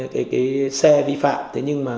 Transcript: cái xe vi phạm thế nhưng mà